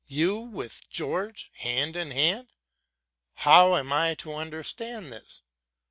you with George, hand in hand! How am I to understand this